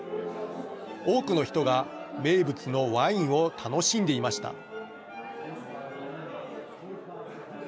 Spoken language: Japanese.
多くの人が名物のワインを楽しんでいました。